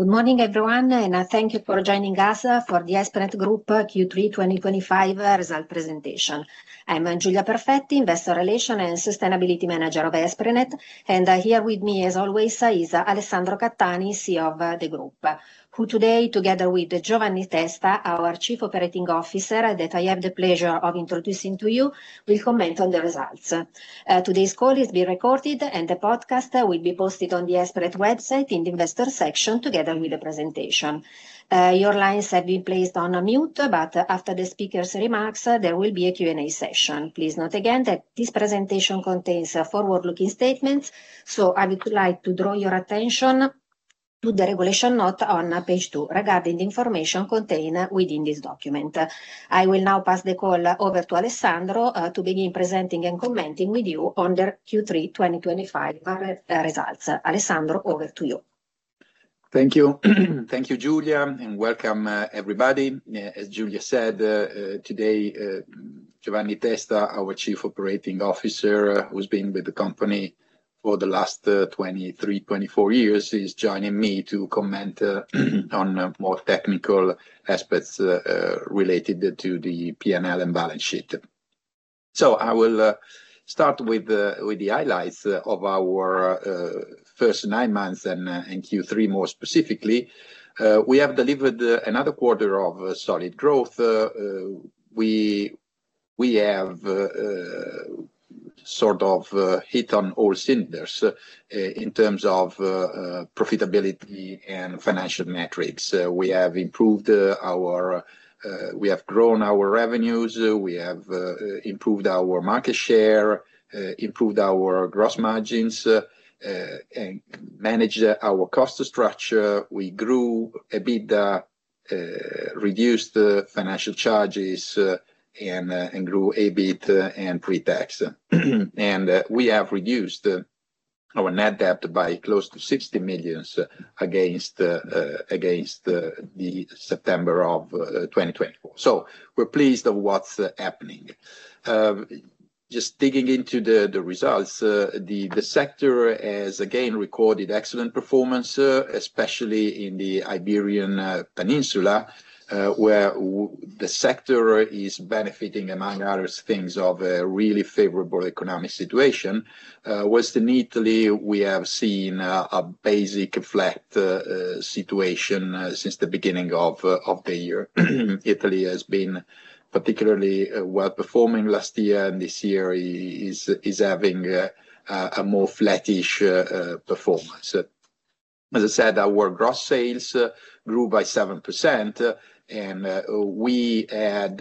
Good morning, everyone, and thank you for joining us for the Esprinet Group Q3 2025 result presentation. I'm Giulia Perfetti, Investor Relations and Sustainability Manager of Esprinet, and here with me, as always, is Alessandro Cattani, CEO of the group, who today, together with Giovanni Testa, our Chief Operating Officer, that I have the pleasure of introducing to you, will comment on the results. Today's call is being recorded, and the podcast will be posted on the Esprinet website in the Investor section together with the presentation. Your lines have been placed on mute, but after the speaker's remarks, there will be a Q&A session. Please note again that this presentation contains forward-looking statements, so I would like to draw your attention to the regulation note on page two regarding the information contained within this document. I will now pass the call over to Alessandro to begin presenting and commenting with you on the Q3 2025 results. Alessandro, over to you. Thank you. Thank you, Giulia, and welcome, everybody. As Giulia said, today, Giovanni Testa, our Chief Operating Officer, who's been with the company for the last 23, 24 years, is joining me to comment on more technical aspects related to the P&L and balance sheet. I will start with the highlights of our first nine months and Q3, more specifically. We have delivered another quarter of solid growth. We have sort of hit on all cylinders in terms of profitability and financial metrics. We have improved our—we have grown our revenues. We have improved our market share, improved our gross margins, and managed our cost structure. We grew a bit, reduced financial charges, and grew a bit in pre-tax. We have reduced our net debt by close to 60 million against September of 2024. We are pleased with what's happening. Just digging into the results, the sector has again recorded excellent performance, especially in the Iberian Peninsula, where the sector is benefiting, among other things, from a really favorable economic situation. Within Italy, we have seen a basically flat situation since the beginning of the year. Italy has been particularly well performing last year, and this year is having a more flattish performance. As I said, our gross sales grew by 7%, and we had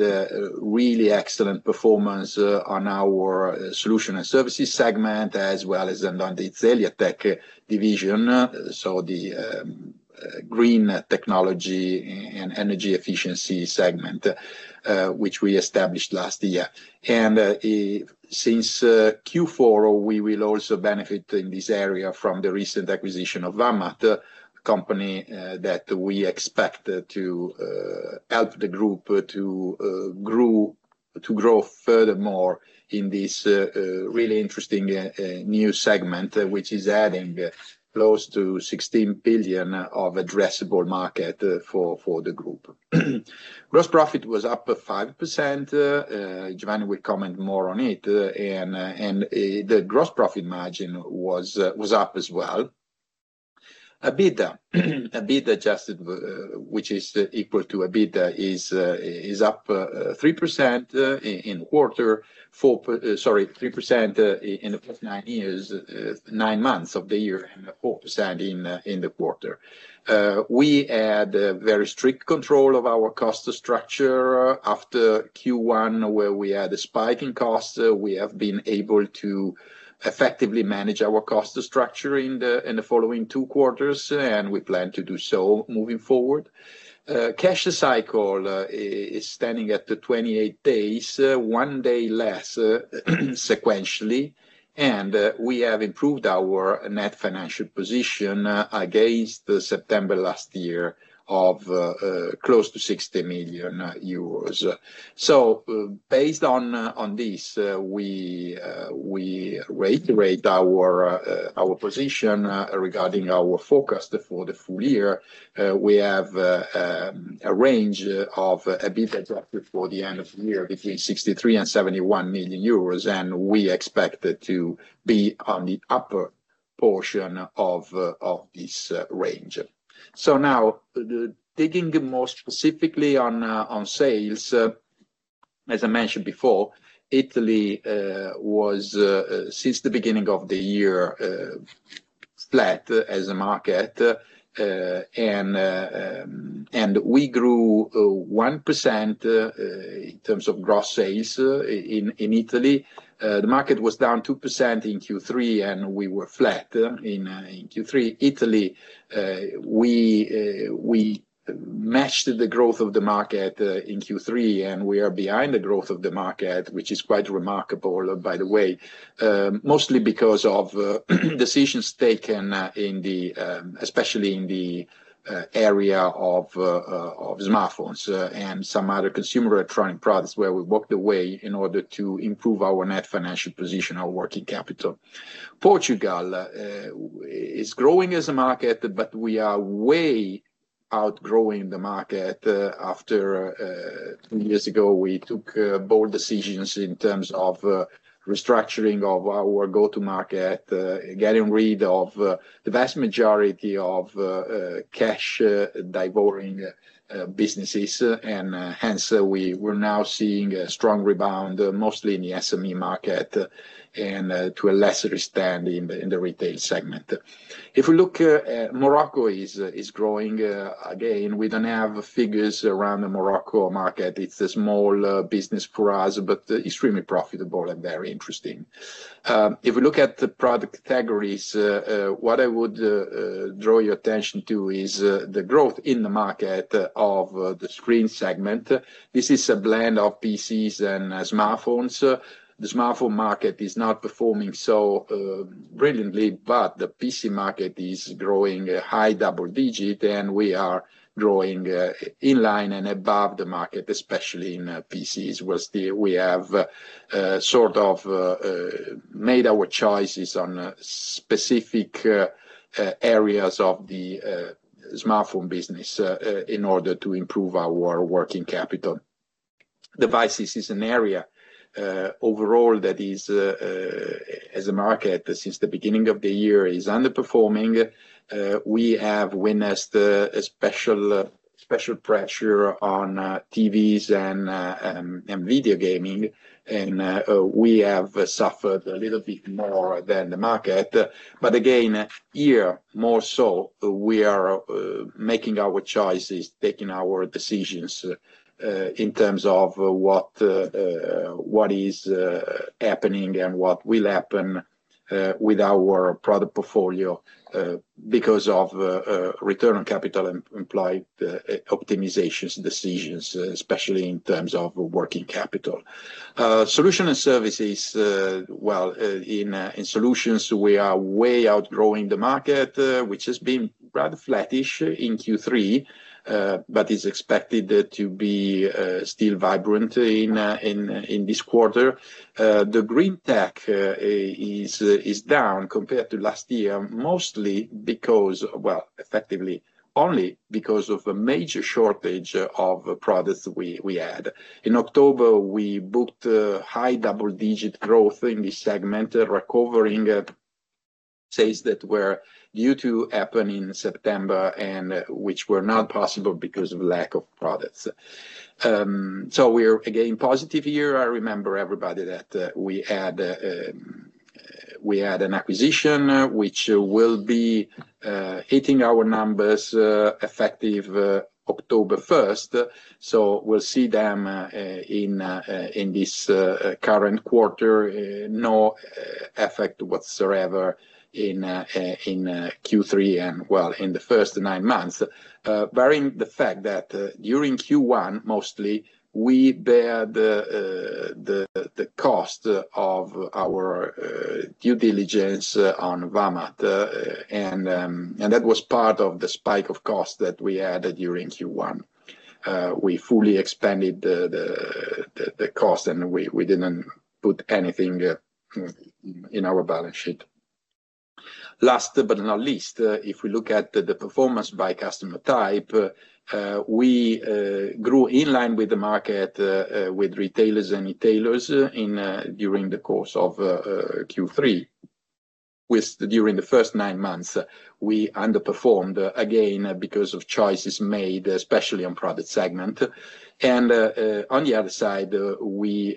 really excellent performance on our solutions and services segment, as well as on the Celiatech division, so the green technology and energy efficiency segment, which we established last year. Since Q4, we will also benefit in this area from the recent acquisition of Vammat, a company that we expect to help the group to grow furthermore in this really interesting new segment, which is adding close to 16 billion of addressable market for the group. Gross profit was up 5%. Giovanni will comment more on it, and the gross profit margin was up as well. EBITDA, EBITDA adjusted, which is equal to EBITDA, is up 3% in the quarter, sorry, 3% in the first nine months of the year and 4% in the quarter. We had very strict control of our cost structure after Q1, where we had a spike in costs. We have been able to effectively manage our cost structure in the following two quarters, and we plan to do so moving forward. Cash cycle is standing at 28 days, one day less sequentially, and we have improved our Net Financial Position against September last year of close to 60 million euros. Based on this, we reiterate our position regarding our forecast for the full year. We have a range of EBITDA adjusted for the end of the year between 63 million-71 million euros, and we expect to be on the upper portion of this range. Now, digging more specifically on sales, as I mentioned before, Italy was, since the beginning of the year, flat as a market, and we grew 1% in terms of gross sales in Italy. The market was down 2% in Q3, and we were flat in Q3. Italy, we matched the growth of the market in Q3, and we are behind the growth of the market, which is quite remarkable, by the way, mostly because of decisions taken, especially in the area of smartphones and some other consumer electronic products, where we walked away in order to improve our Net Financial Position, our working capital. Portugal is growing as a market, but we are way outgrowing the market. After two years ago, we took bold decisions in terms of restructuring of our go-to-market, getting rid of the vast majority of cash devouring businesses, and hence, we are now seeing a strong rebound, mostly in the SME market and to a lesser extent in the retail segment. If we look, Morocco is growing again. We do not have figures around the Morocco market. It is a small business for us, but extremely profitable and very interesting. If we look at the product categories, what I would draw your attention to is the growth in the market of the screen segment. This is a blend of PCs and smartphones. The smartphone market is not performing so brilliantly, but the PC market is growing a high double digit, and we are growing in line and above the market, especially in PCs, where we have sort of made our choices on specific areas of the smartphone business in order to improve our working capital. Devices is an area overall that is, as a market, since the beginning of the year, is underperforming. We have witnessed special pressure on TVs and video gaming, and we have suffered a little bit more than the market. Again, here, more so, we are making our choices, taking our decisions in terms of what is happening and what will happen with our product portfolio because of return on capital implied optimizations decisions, especially in terms of working capital. Solution and services, in solutions, we are way outgrowing the market, which has been rather flattish in Q3, but is expected to be still vibrant in this quarter. The green tech is down compared to last year, mostly because, effectively, only because of a major shortage of products we had. In October, we booked high double-digit growth in this segment, recovering sales that were due to happen in September, which were not possible because of lack of products. We are again positive here. I remember, everybody, that we had an acquisition, which will be hitting our numbers effective October 1st. We will see them in this current quarter, no effect whatsoever in Q3, and in the first nine months, bearing the fact that during Q1, mostly, we bear the cost of our due diligence on Vammat, and that was part of the spike of cost that we had during Q1. We fully expensed the cost, and we did not put anything in our balance sheet. Last but not least, if we look at the performance by customer type, we grew in line with the market with retailers and retailers during the course of Q3. During the first nine months, we underperformed again because of choices made, especially on product segment. On the other side, we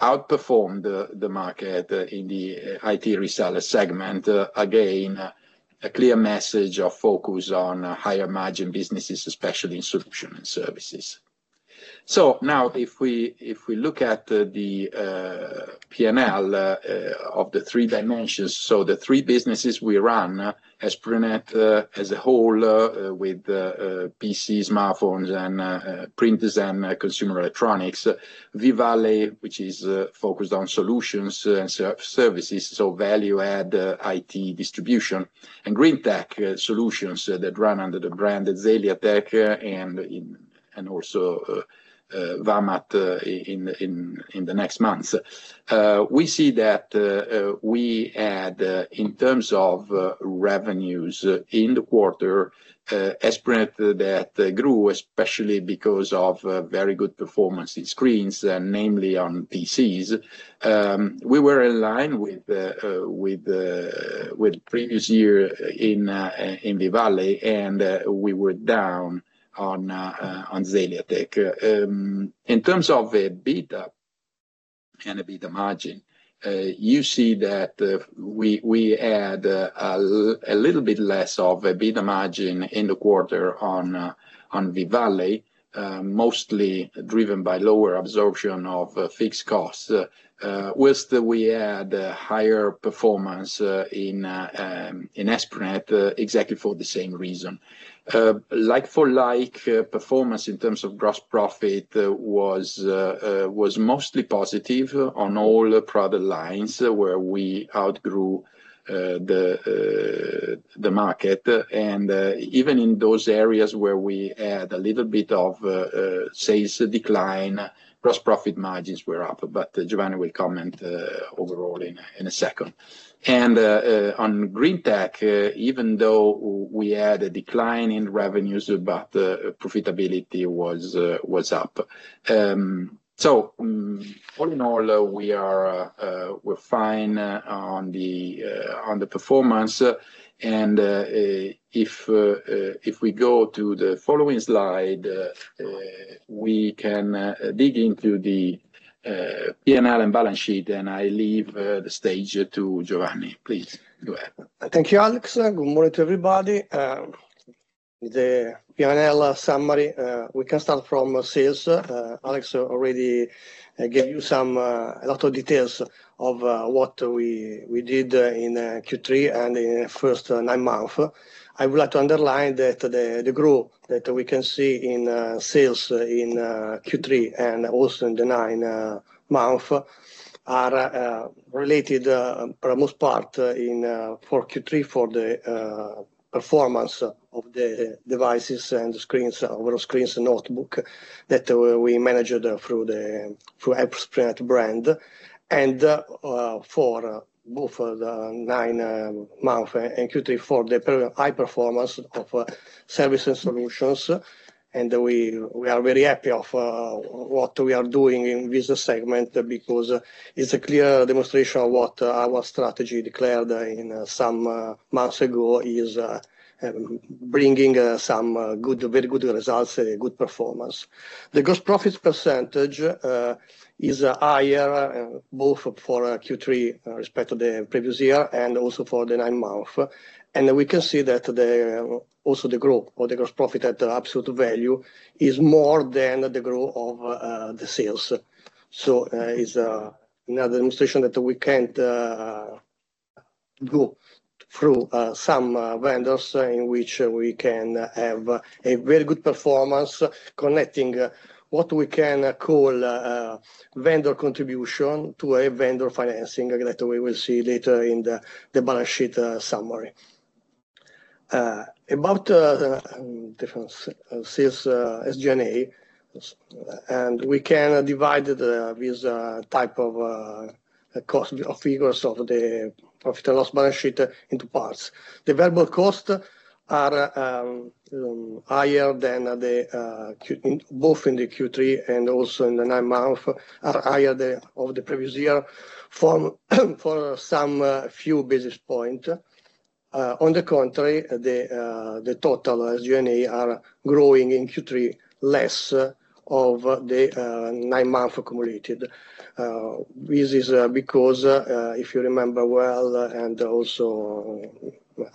outperformed the market in the IT reseller segment, again, a clear message of focus on higher margin businesses, especially in solution and services. Now, if we look at the P&L of the three dimensions, so the three businesses we run, Esprinet as a whole with PCs, smartphones, and printers, and consumer electronics, Vivale, which is focused on solutions and services, so value-add IT distribution, and GreenTech solutions that run under the brand Celiatech and also Vammat in the next months. We see that we had, in terms of revenues in the quarter, Esprinet that grew, especially because of very good performance in screens, namely on PCs. We were in line with the previous year in Vivale, and we were down on Celiatech. In terms of EBITDA and EBITDA margin, you see that we had a little bit less of EBITDA margin in the quarter on Vivale, mostly driven by lower absorption of fixed costs, whilst we had higher performance in Esprinet exactly for the same reason. Like-for-like performance in terms of gross profit was mostly positive on all product lines where we outgrew the market. Even in those areas where we had a little bit of sales decline, gross profit margins were up, but Giovanni will comment overall in a second. On GreenTech, even though we had a decline in revenues, profitability was up. All in all, we're fine on the performance. If we go to the following slide, we can dig into the P&L and balance sheet, and I leave the stage to Giovanni. Please go ahead. Thank you, Alex. Good morning to everybody. The P&L summary, we can start from sales. Alex already gave you a lot of details of what we did in Q3 and in the first nine months. I would like to underline that the growth that we can see in sales in Q3 and also in the nine months are related for the most part in Q3 to the performance of the devices and screens, overall screens and notebook that we managed through the brand. For both the nine months and Q3, the high performance of services and solutions. We are very happy with what we are doing in this segment because it is a clear demonstration of what our strategy declared some months ago is bringing some very good results, good performance. The gross profit percentage is higher both for Q3 compared to the previous year and also for the nine months. We can see that also the growth of the gross profit at absolute value is more than the growth of the sales. It is another demonstration that we can't do through some vendors in which we can have a very good performance connecting what we can call vendor contribution to a vendor financing that we will see later in the balance sheet summary. About different sales, SG&A, and we can divide this type of cost figures of the profit and loss balance sheet into parts. The variable costs are higher than both in the Q3 and also in the nine months are higher than of the previous year for some few business points. On the contrary, the total SG&A are growing in Q3 less of the nine months accumulated. This is because, if you remember well, and also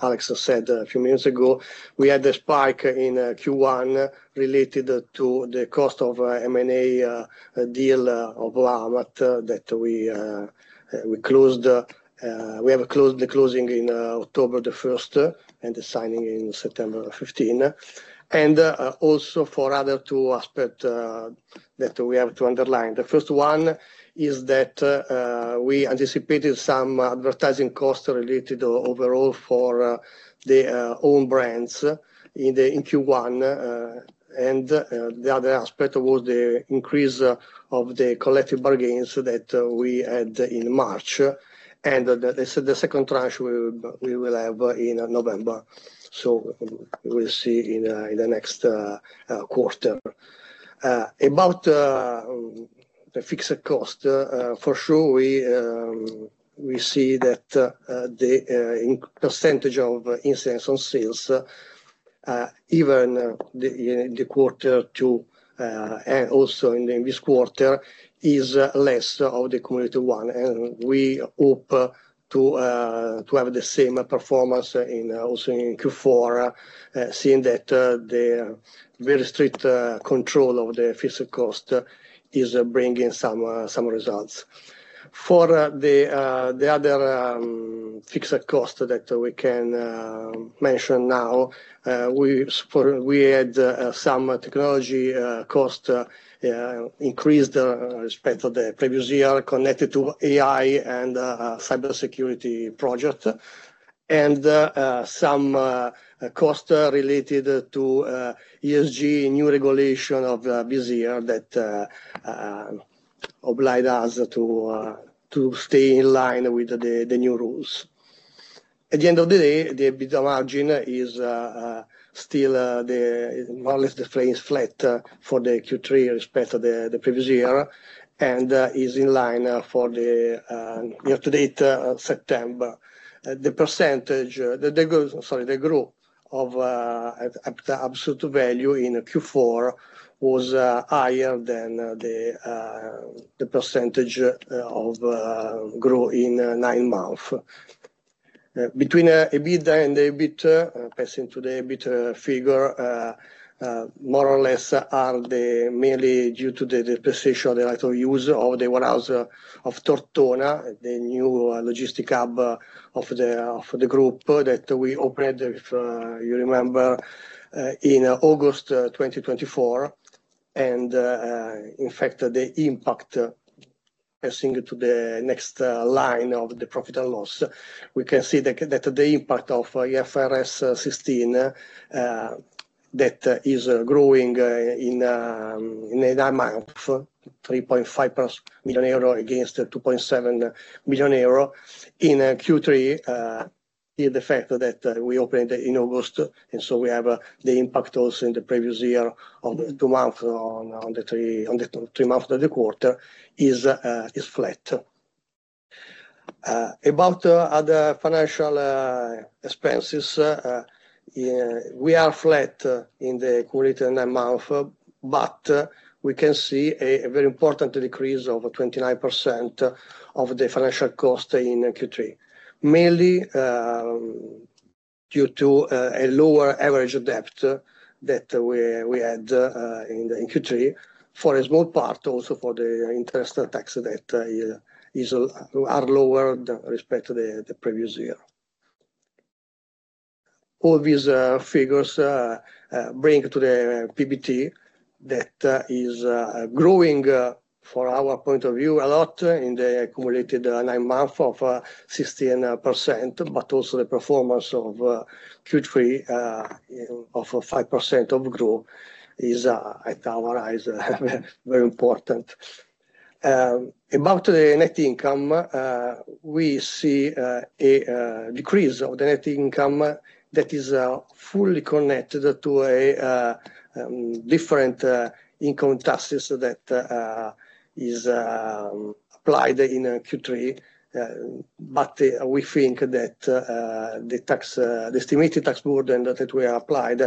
Alex said a few minutes ago, we had a spike in Q1 related to the cost of M&A deal of Vammat that we closed. We have closed the closing in October the 1st and the signing in September 15. Also, for other two aspects that we have to underline. The first one is that we anticipated some advertising costs related overall for the own brands in Q1. The other aspect was the increase of the collective bargains that we had in March. The second tranche we will have in November. We will see in the next quarter. About the fixed cost, for sure, we see that the percentage of incidence on sales, even in quarter two and also in this quarter, is less than the cumulative one. We hope to have the same performance also in Q4, seeing that the very strict control of the fixed cost is bringing some results. For the other fixed cost that we can mention now, we had some technology cost increased respect to the previous year connected to AI and Cybersecurity project. And some cost related to ESG new regulation of this year that obliged us to stay in line with the new rules. At the end of the day, the EBITDA margin is still more or less flat for the Q3 respect to the previous year and is in line for the year-to-date September. The percentage, sorry, the growth of absolute value in Q4 was higher than the percentage of growth in nine months. Between EBITDA and EBIT, passing to the EBIT figure, more or less are mainly due to the depreciation of the right of use of the warehouse of Tortona, the new logistic hub of the group that we opened, if you remember, in August 2024. In fact, the impact, passing to the next line of the profit and loss, we can see that the impact of IFRS 16 that is growing in nine months, 3.5 million euro against 2.7 million euro in Q3, the fact that we opened in August. We have the impact also in the previous year of two months on the three months of the quarter is flat. About other financial expenses, we are flat in the current nine months, but we can see a very important decrease of 29% of the financial cost in Q3, mainly due to a lower average debt that we had in Q3, for a small part also for the interest tax that are lower than respect to the previous year. All these figures bring to the PBT that is growing for our point of view a lot in the accumulated nine months of 16%, but also the performance of Q3 of 5% of growth is, at our eyes, very important. About the net income, we see a decrease of the net income that is fully connected to a different income taxes that is applied in Q3. We think that the estimated tax burden that we applied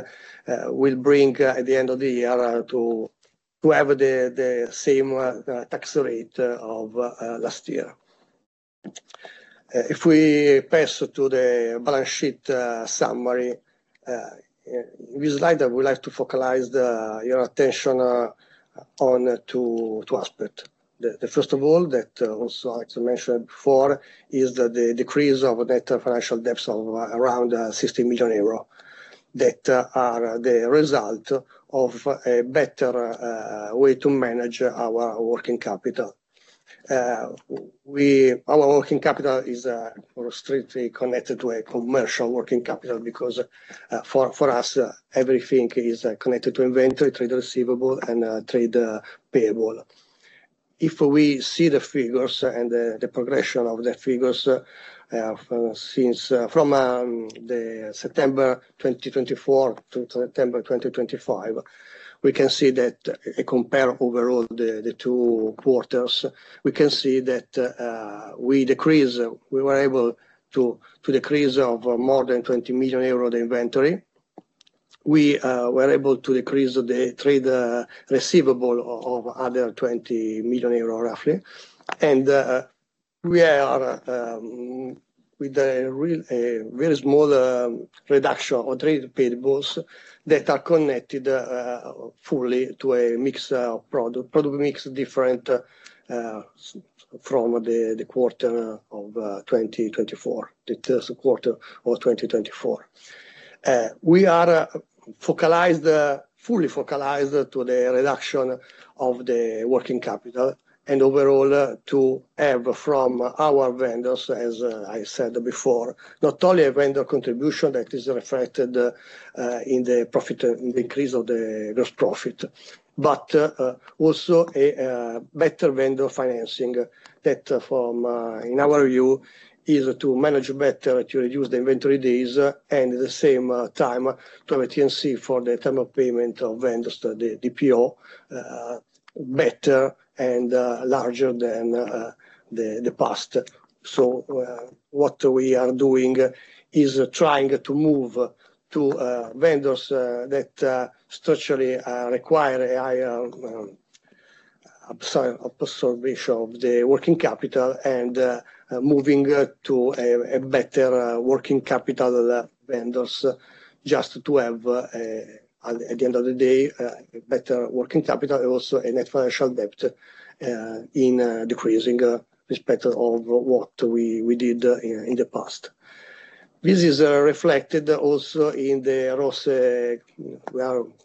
will bring at the end of the year to have the same tax rate of last year. If we pass to the balance sheet summary, this slide, I would like to focalize your attention on two aspects. The first of all, that also I mentioned before, is the decrease of net financial debts of around 60 million euros that are the result of a better way to manage our working capital. Our working capital is strictly connected to a commercial working capital because for us, everything is connected to inventory, trade receivable, and trade payable. If we see the figures and the progression of the figures from September 2024-September 2025, we can see that compared overall the two quarters, we can see that we decreased, we were able to decrease more than 20 million euros the inventory. We were able to decrease the trade receivable of another 20 million euro roughly. We are with a very small reduction of trade payables that are connected fully to a mixed product mix different from the quarter of 2024, the third quarter of 2024. We are fully focalized to the reduction of the working capital and overall to have from our vendors, as I said before, not only a vendor contribution that is reflected in the increase of the gross profit, but also a better vendor financing that from, in our view, is to manage better to reduce the inventory days and at the same time to have a T&C for the term of payment of vendors, the DPO, better and larger than the past. What we are doing is trying to move to vendors that structurally require a higher absorption of the working capital and moving to a better working capital vendors just to have, at the end of the day, better working capital, also a net financial debt in decreasing respect of what we did in the past. This is reflected also in the rows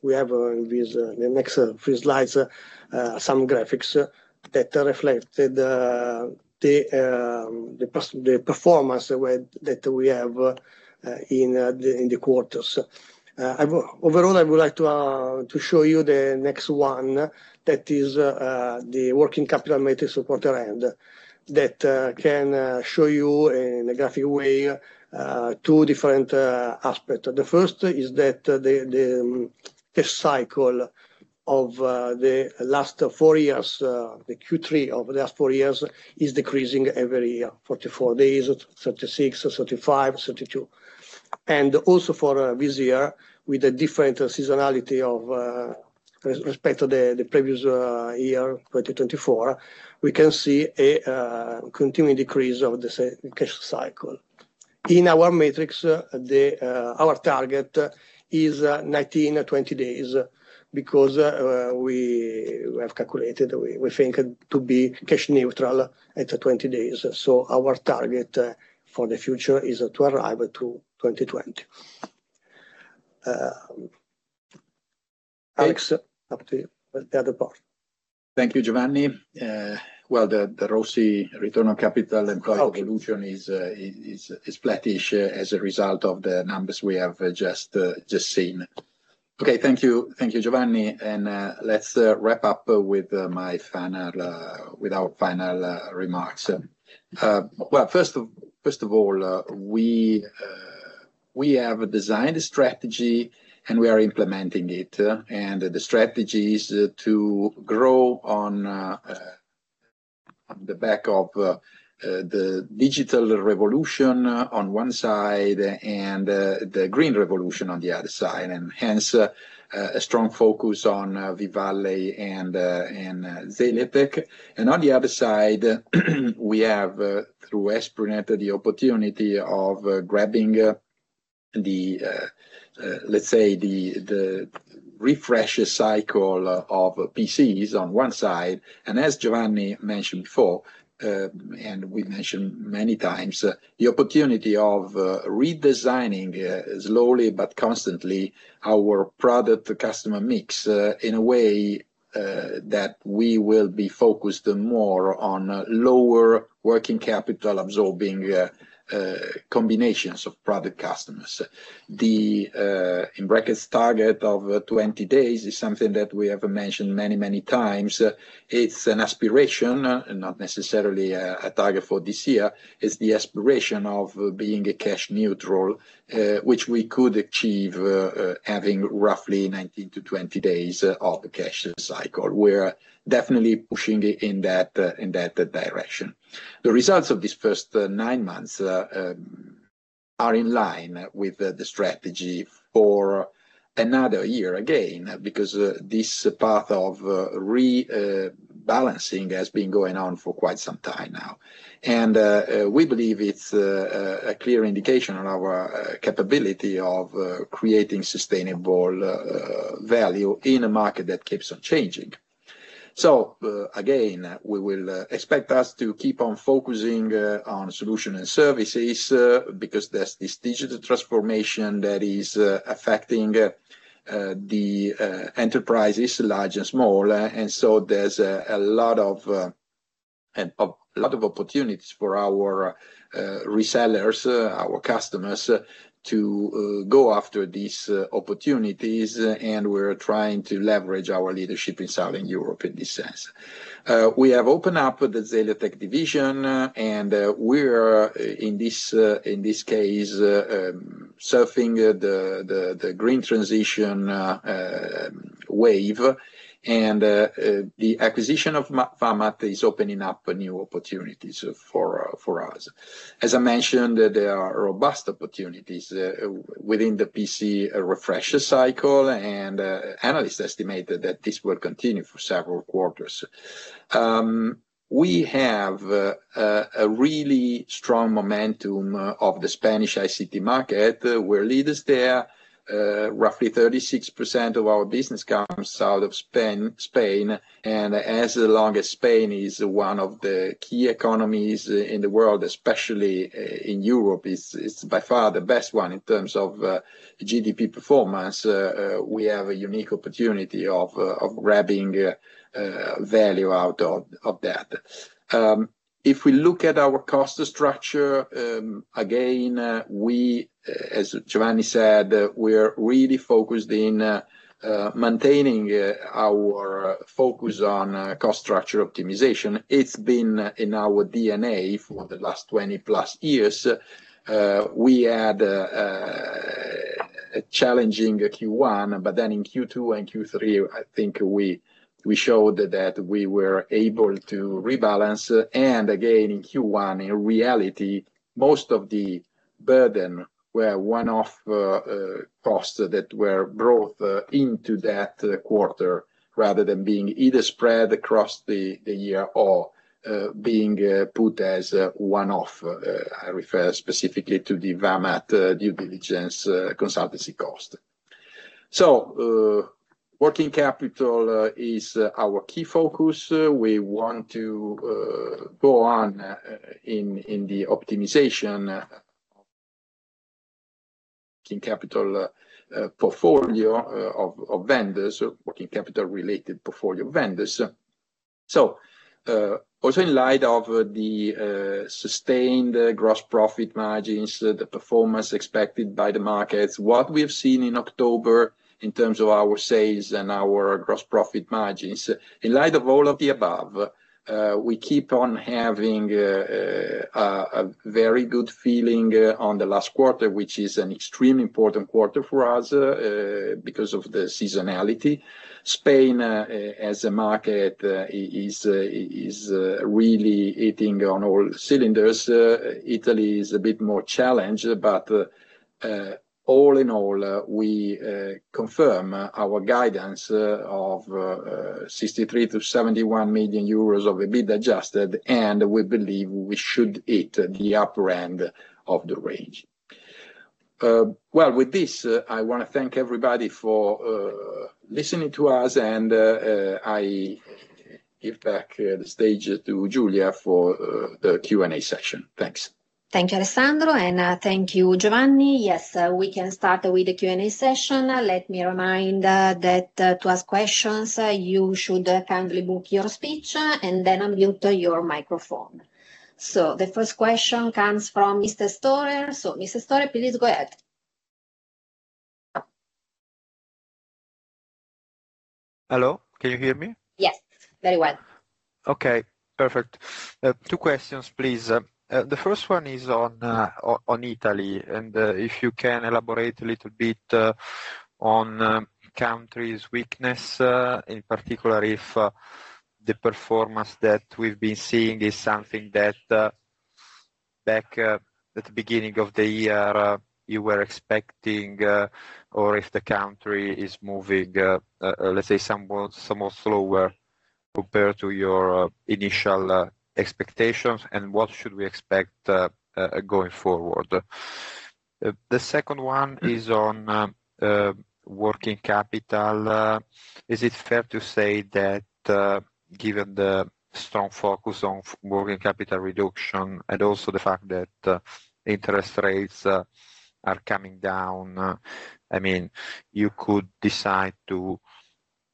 we have in the next few slides, some graphics that reflected the performance that we have in the quarters. Overall, I would like to show you the next one that is the working capital matrix for quarter end that can show you in a graphic way two different aspects. The first is that the cycle of the last four years, the Q3 of the last four years is decreasing every year, 44 days, 36, 35, 32. Also for this year, with a different seasonality of respect to the previous year, 2024, we can see a continuing decrease of the cash cycle. In our matrix, our target is 19-20 days because we have calculated, we think, to be cash neutral at 20 days. Our target for the future is to arrive to 20-20. Alex, up to the other part. Thank you, Giovanni. The ROCE evolution is flattish as a result of the numbers we have just seen. Thank you, Giovanni. Let's wrap up with our final remarks. First of all, we have designed a strategy and we are implementing it. The strategy is to grow on the back of the digital revolution on one side and the green revolution on the other side. Hence, a strong focus on Vivale and Celiatech. On the other side, we have, through Esprinet, the opportunity of grabbing, let's say, the refresh cycle of PCs on one side. As Giovanni mentioned before, and we mentioned many times, the opportunity of redesigning slowly but constantly our product customer mix in a way that we will be focused more on lower working capital absorbing combinations of product customers. The target of 20 days is something that we have mentioned many, many times. It's an aspiration, not necessarily a target for this year. It's the aspiration of being cash neutral, which we could achieve having roughly 19-20 days of the cash cycle. We're definitely pushing in that direction. The results of these first nine months are in line with the strategy for another year again because this path of rebalancing has been going on for quite some time now. We believe it's a clear indication of our capability of creating sustainable value in a market that keeps on changing. We will expect us to keep on focusing on solutions and services because there's this digital transformation that is affecting the enterprises large and small. There's a lot of opportunities for our resellers, our customers to go after these opportunities. We are trying to leverage our leadership in Southern Europe in this sense. We have opened up the Zaiatech division, and we are in this case surfing the green transition wave. The acquisition of Vammat is opening up new opportunities for us. As I mentioned, there are robust opportunities within the PC refresh cycle, and analysts estimate that this will continue for several quarters. We have a really strong momentum of the Spanish ICT market. We are leaders there. Roughly 36% of our business comes out of Spain. As long as Spain is one of the key economies in the world, especially in Europe, it is by far the best one in terms of GDP performance. We have a unique opportunity of grabbing value out of that. If we look at our cost structure, again, as Giovanni said, we are really focused in maintaining our focus on cost structure optimization. It's been in our DNA for the last 20+ years. We had a challenging Q1, but then in Q2 and Q3, I think we showed that we were able to rebalance. In Q1, in reality, most of the burden were one-off costs that were brought into that quarter rather than being either spread across the year or being put as one-off. I refer specifically to the Vammat due diligence consultancy cost. Working capital is our key focus. We want to go on in the optimization of working capital portfolio of vendors, working capital related portfolio vendors. Also in light of the sustained gross profit margins, the performance expected by the markets, what we have seen in October in terms of our sales and our gross profit margins, in light of all of the above, we keep on having a very good feeling on the last quarter, which is an extremely important quarter for us because of the seasonality. Spain, as a market, is really hitting on all cylinders. Italy is a bit more challenged, but all in all, we confirm our guidance of 63 million-71 million euros of EBITDA adjusted, and we believe we should hit the upper end of the range. I want to thank everybody for listening to us, and I give back the stage to Giulia for the Q&A session. Thanks. Thank you, Alessandro, and thank you, Giovanni. Yes, we can start with the Q&A session. Let me remind that to ask questions, you should kindly book your speech and then unmute your microphone. The first question comes from Mr. Storer. Mr. Storer, please go ahead. Hello. Can you hear me? Yes. Very well. Okay. Perfect. Two questions, please. The first one is on Italy, and if you can elaborate a little bit on the country's weakness, in particular if the performance that we've been seeing is something that back at the beginning of the year you were expecting, or if the country is moving, let's say, somewhat slower compared to your initial expectations, and what should we expect going forward? The second one is on working capital. Is it fair to say that given the strong focus on working capital reduction and also the fact that interest rates are coming down, I mean, you could decide to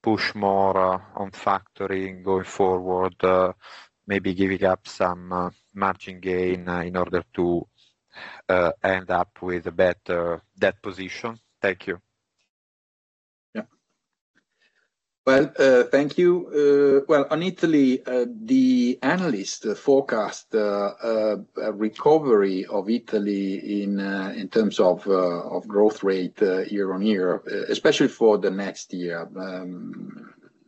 push more on factoring going forward, maybe giving up some margin gain in order to end up with a better debt position? Thank you. Thank you. On Italy, the analyst forecast recovery of Italy in terms of growth rate year on year, especially for the next year,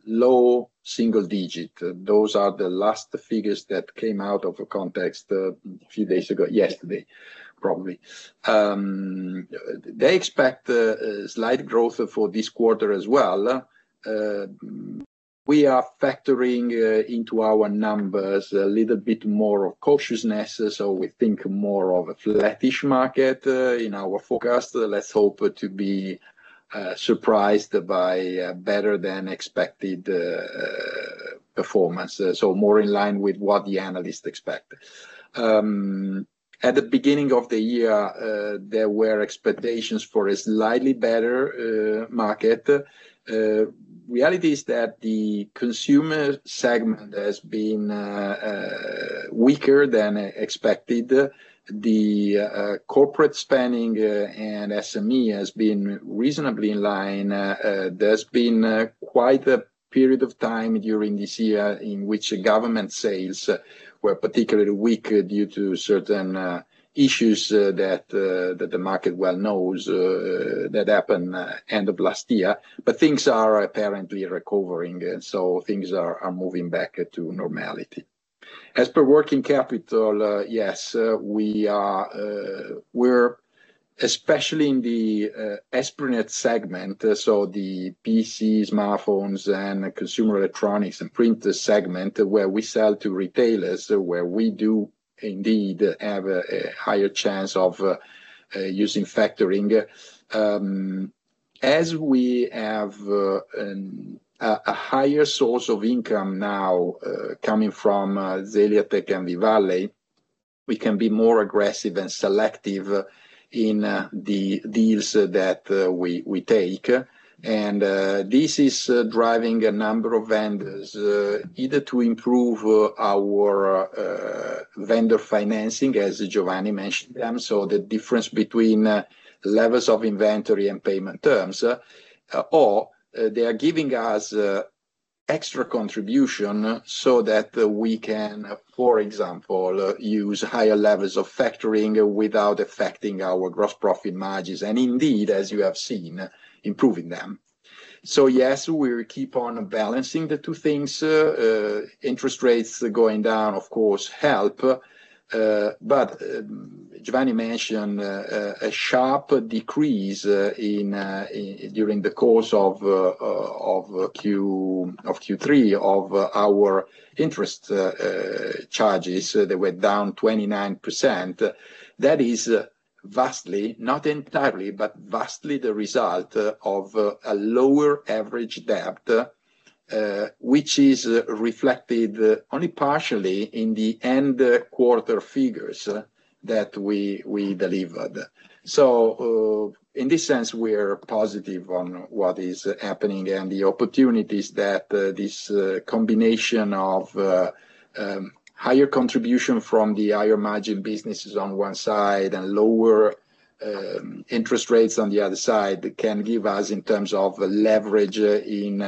low single digit. Those are the last figures that came out of context a few days ago, yesterday, probably. They expect slight growth for this quarter as well. We are factoring into our numbers a little bit more of cautiousness, so we think more of a flattish market in our forecast. Let's hope to be surprised by better than expected performance, more in line with what the analysts expect. At the beginning of the year, there were expectations for a slightly better market. Reality is that the consumer segment has been weaker than expected. The corporate spending and SME has been reasonably in line. There has been quite a period of time during this year in which government sales were particularly weak due to certain issues that the market well knows that happened at the end of last year. Things are apparently recovering, so things are moving back to normality. As per working capital, yes, especially in the Esprinet segment, so the PCs, smartphones, and consumer electronics and printers segment where we sell to retailers, where we do indeed have a higher chance of using factoring. As we have a higher source of income now coming from Zaiatech and Vivale, we can be more aggressive and selective in the deals that we take. This is driving a number of vendors either to improve our vendor financing, as Giovanni mentioned them, so the difference between levels of inventory and payment terms, or they are giving us extra contribution so that we can, for example, use higher levels of factoring without affecting our gross profit margins. Indeed, as you have seen, improving them. Yes, we keep on balancing the two things. Interest rates going down, of course, help. Giovanni mentioned a sharp decrease during the course of Q3 of our interest charges. They went down 29%. That is vastly, not entirely, but vastly the result of a lower average debt, which is reflected only partially in the end quarter figures that we delivered. In this sense, we're positive on what is happening and the opportunities that this combination of higher contribution from the higher margin businesses on one side and lower interest rates on the other side can give us in terms of leverage in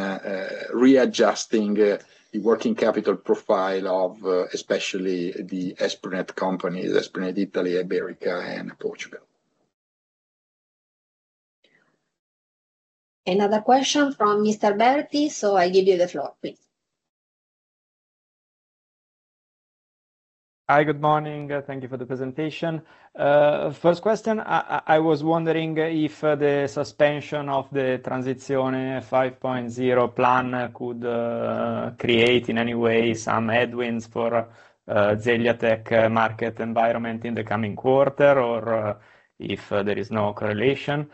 readjusting the working capital profile of especially the Esprinet companies, Esprinet Italy, Ibérica, and Portugal. Another question from Mr. Berti. I give you the floor, please. Hi, good morning. Thank you for the presentation. First question, I was wondering if the suspension of the Transizione 5.0 plan could create in any way some headwinds for Celiatech market environment in the coming quarter or if there is no correlation.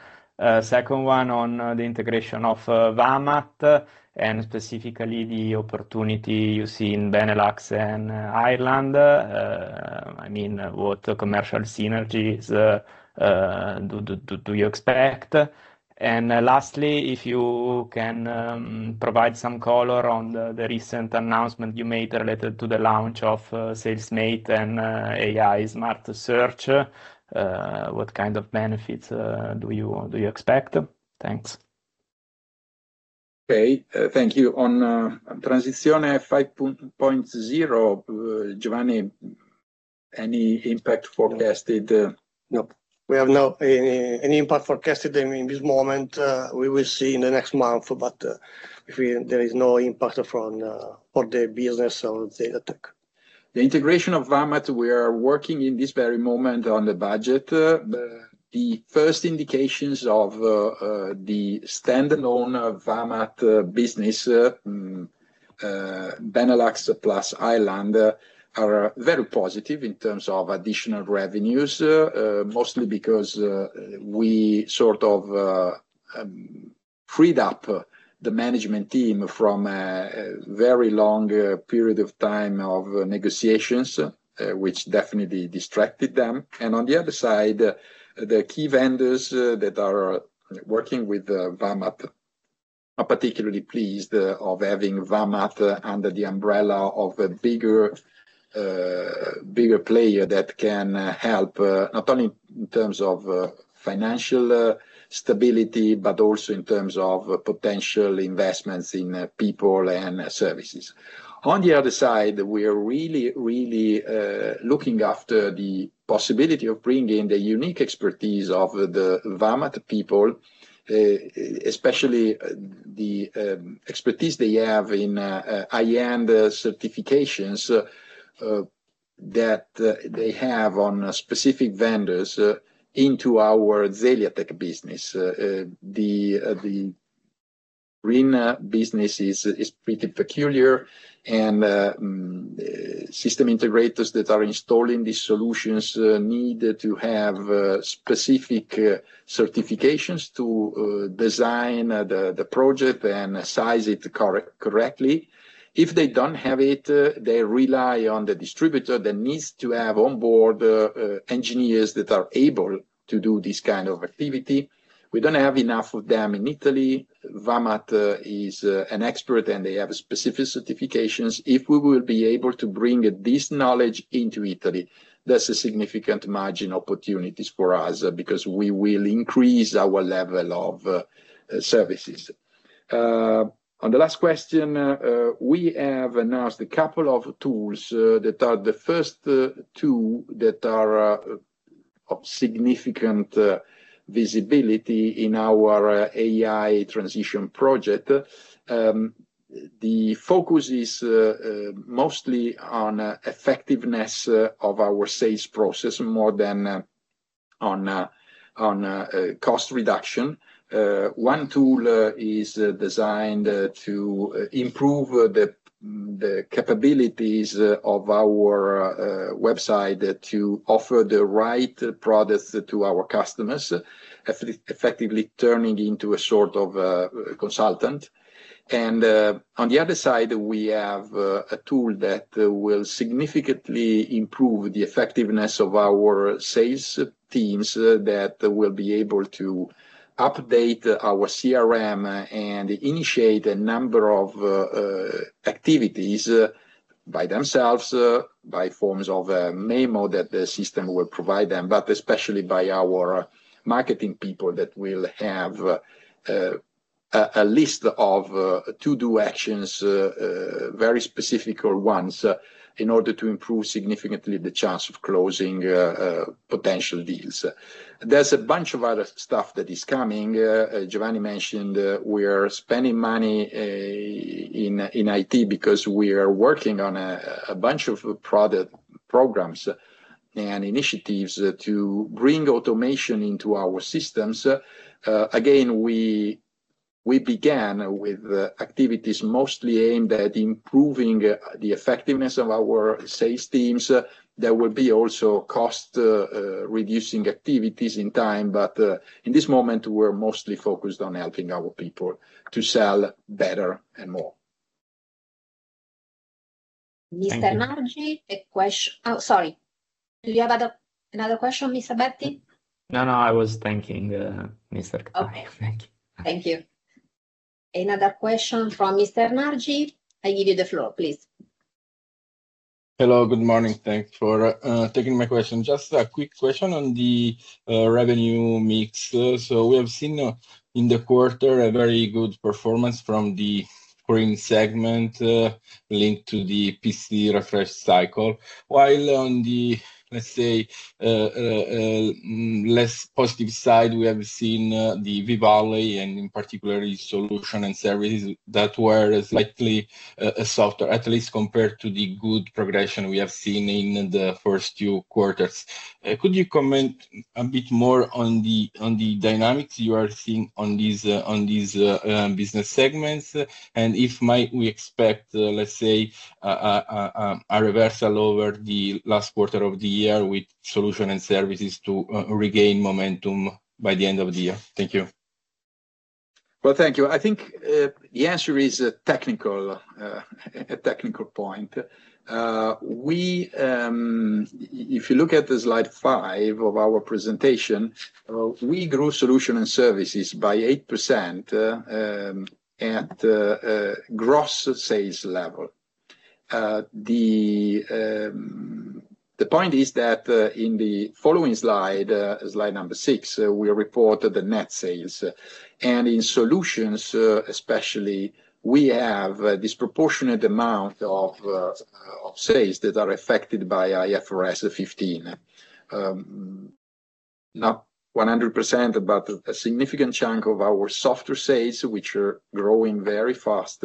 Second one on the integration of Vammat and specifically the opportunity you see in Benelux and Ireland. I mean, what commercial synergies do you expect? Lastly, if you can provide some color on the recent announcement you made related to the launch of Salesmate and AI smart search, what kind of benefits do you expect? Thanks. Okay. Thank you. On Transizione 5.0, Giovanni, any impact forecasted? No, we have no impact forecasted in this moment. We will see in the next month, but there is no impact for the business of Celiatech. The integration of Vammat, we are working in this very moment on the budget. The first indications of the standalone Vammat business, Benelux plus Ireland, are very positive in terms of additional revenues, mostly because we sort of freed up the management team from a very long period of time of negotiations, which definitely distracted them. On the other side, the key vendors that are working with Vammat are particularly pleased with having Vammat under the umbrella of a bigger player that can help not only in terms of financial stability, but also in terms of potential investments in people and services. On the other side, we are really, really looking after the possibility of bringing the unique expertise of the Vammat people, especially the expertise they have in high-end certifications that they have on specific vendors into our Celiatech business. The green business is pretty peculiar, and system integrators that are installing these solutions need to have specific certifications to design the project and size it correctly. If they do not have it, they rely on the distributor that needs to have onboard engineers that are able to do this kind of activity. We do not have enough of them in Italy. Vammat is an expert, and they have specific certifications. If we will be able to bring this knowledge into Italy, that's a significant margin opportunity for us because we will increase our level of services. On the last question, we have announced a couple of tools that are the first two that are of significant visibility in our AI transition project. The focus is mostly on effectiveness of our sales process more than on cost reduction. One tool is designed to improve the capabilities of our website to offer the right products to our customers, effectively turning into a sort of consultant. On the other side, we have a tool that will significantly improve the effectiveness of our sales teams that will be able to update our CRM and initiate a number of activities by themselves, by forms of a memo that the system will provide them, but especially by our marketing people that will have a list of to-do actions, very specific ones, in order to improve significantly the chance of closing potential deals. There's a bunch of other stuff that is coming. Giovanni mentioned we are spending money in IT because we are working on a bunch of programs and initiatives to bring automation into our systems. Again, we began with activities mostly aimed at improving the effectiveness of our sales teams. There will be also cost-reducing activities in time, but in this moment, we're mostly focused on helping our people to sell better and more. Mr. Margi, oh, sorry. Do you have another question, Mr. Berti? No, no. I was thinking, Mr. Okay.Thank you. Thank you. Another question from Mr. Margi. I give you the floor, please. Hello. Good morning. Thanks for taking my question. Just a quick question on the revenue mix. We have seen in the quarter a very good performance from the green segment linked to the PC refresh cycle. While on the, let's say, less positive side, we have seen the Vivale and in particular the solution and services that were slightly softer, at least compared to the good progression we have seen in the first few quarters. Could you comment a bit more on the dynamics you are seeing on these business segments? If we expect, let's say, a reversal over the last quarter of the year with solution and services to regain momentum by the end of the year? Thank you. Thank you. I think the answer is a technical point. If you look at slide five of our presentation, we grew solution and services by 8% at gross sales level. The point is that in the following slide, slide number six, we reported the net sales. In solutions, especially, we have a disproportionate amount of sales that are affected by IFRS 15. Not 100%, but a significant chunk of our software sales, which are growing very fast,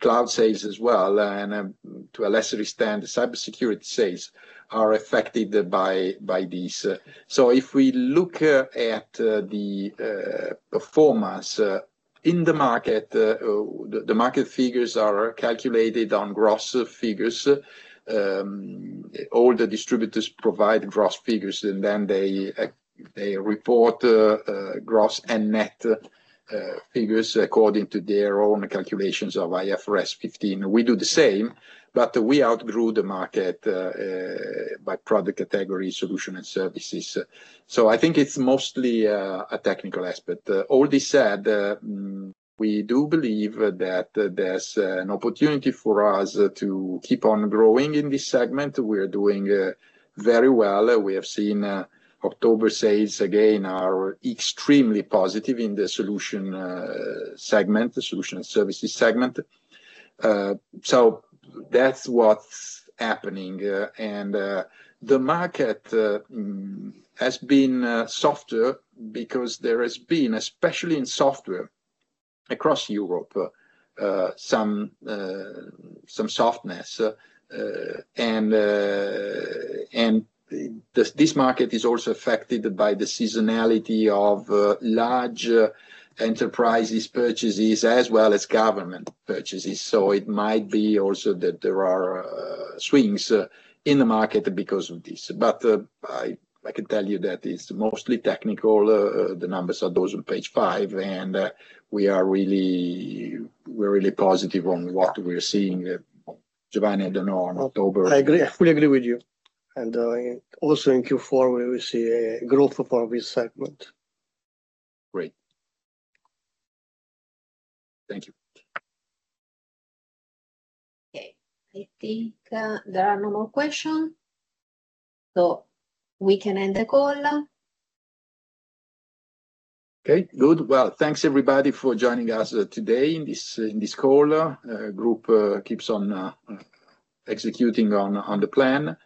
cloud sales as well, and to a lesser extent, Cybersecurity sales are affected by these. If we look at the performance in the market, the market figures are calculated on gross figures. All the distributors provide gross figures, and then they report gross and net figures according to their own calculations of IFRS 15. We do the same, but we outgrew the market by product category, solution, and services. I think it is mostly a technical aspect. All this said, we do believe that there is an opportunity for us to keep on growing in this segment. We are doing very well. We have seen October sales again are extremely positive in the solution segment, the solution and services segment. That is what is happening. The market has been softer because there has been, especially in software across Europe, some softness. This market is also affected by the seasonality of large enterprises' purchases as well as government purchases. It might be also that there are swings in the market because of this. I can tell you that it is mostly technical. The numbers are those on page five, and we are really positive on what we're seeing. Giovanni, I don't know on October. I fully agree with you. Also in Q4, we will see a growth for this segment. Great. Thank you. Okay. I think there are no more questions. We can end the call. Good. Thanks everybody for joining us today in this call. The group keeps on executing on the plan.